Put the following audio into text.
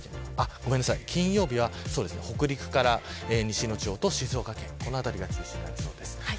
ごめんなさい、金曜日は北陸から西の地方と静岡県この辺りが中心になりそうです。